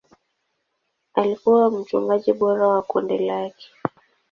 Alikuwa mchungaji bora wa kundi lake.